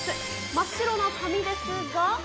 真っ白な紙ですが。